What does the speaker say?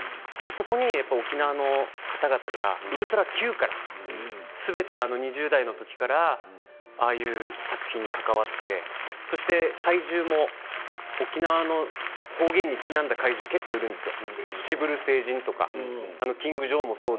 そこに沖縄の方々が「ウルトラＱ」からすべてに２０代のときからああいう作品に関わってそして怪獣も沖縄の方言にちなんだ怪獣が結構いるんですよ。